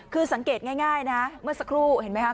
คือสังเกตง่ายนะเมื่อสักครู่เห็นไหมคะ